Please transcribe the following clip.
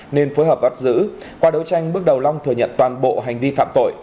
nên phối hợp bắt giữ qua đấu tranh bước đầu long thừa nhận toàn bộ hành vi phạm tội